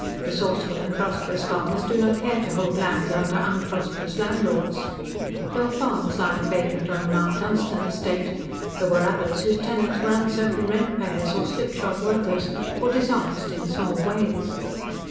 Resourceful and prosperous farmers do not care to hold lands under unprosperous landlords. There were farms lying vacant on the Mount Dunstan estate, there were others whose tenants were uncertain rent payers or slipshod workers or dishonest in small ways.